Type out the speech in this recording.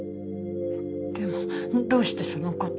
でもどうしてその事？